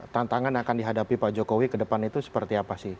tantangan yang akan dihadapi pak jokowi ke depan itu seperti apa sih